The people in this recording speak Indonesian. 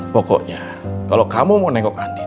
pokoknya kalau kamu mau nengok andi